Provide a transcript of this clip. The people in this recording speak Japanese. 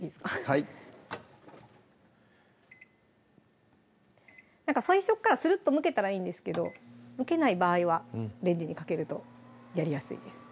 はいなんか最初からスルッとむけたらいいんですけどむけない場合はレンジにかけるとやりやすいです